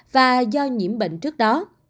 và do nhiễm bệnh trước đó